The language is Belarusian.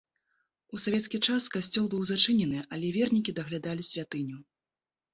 У савецкі час касцёл быў зачынены, але вернікі даглядалі святыню.